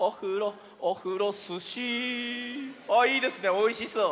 おいしそう。